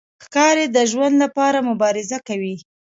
ښکاري د ژوند لپاره مبارزه کوي.